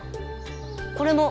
これも！